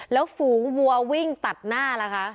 แล้วฝูงวัววิ่งตัดหน้าล่ะคะ